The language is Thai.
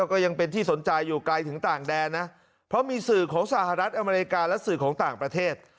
ก็ยังเป็นที่สนใจอยู่ไกลถึงต่างแดนนะเพราะมีสื่อของสหรัฐอเมริกาและสื่อของต่างประเทศ